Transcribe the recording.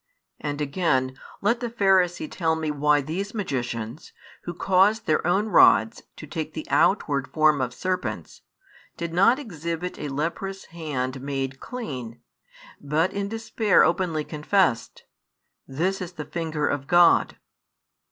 And again, let the Pharisee tell me why these magicians, who caused their own rods to take the outward form of serpents, did not exhibit a leprous hand made clean, but in despair openly confessed: This is the finger of God?